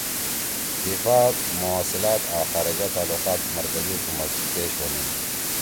دفاع، موصلات آں خارجہ تعلقات مرکزی حکوت کیش ہونیِن